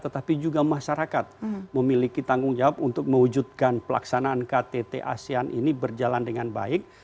tetapi juga masyarakat memiliki tanggung jawab untuk mewujudkan pelaksanaan ktt asean ini berjalan dengan baik